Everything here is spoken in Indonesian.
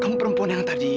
kamu perempuan yang tadi